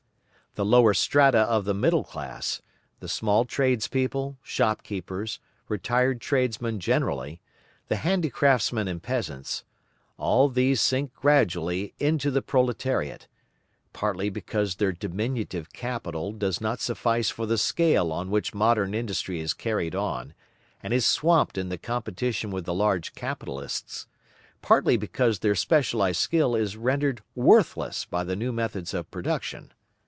The lower strata of the middle class—the small tradespeople, shopkeepers, retired tradesmen generally, the handicraftsmen and peasants—all these sink gradually into the proletariat, partly because their diminutive capital does not suffice for the scale on which Modern Industry is carried on, and is swamped in the competition with the large capitalists, partly because their specialized skill is rendered worthless by the new methods of production.